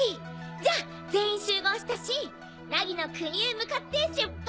じゃあ全員集合したし凪の国へ向かって出発！